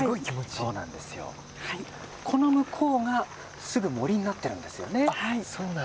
この向こうがすぐ森になっています。